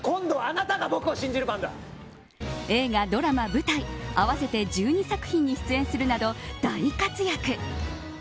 映画、ドラマ、舞台合わせて１２作品に出演するなど大活躍。